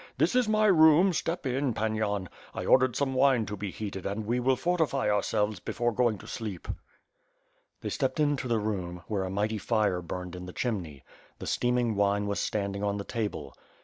This is my room, step in, Pan Yan. I ordered some wine to be heated and we will for tify ourselves before going to sleep." They stepped into the room, where a mighty fire burned in the chimney; the steaming wine was standing on the table.